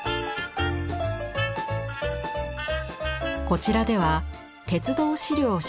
こちらでは鉄道資料蒐集